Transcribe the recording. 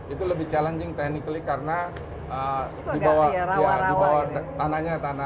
itu lebih challenging technically karena dibawah tanahnya